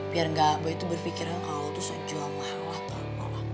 biar gak gue tuh berpikirin kalau lo tuh sejual mahal mahal